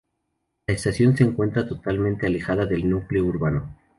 La estación se encuentra totalmente alejada del núcleo urbano.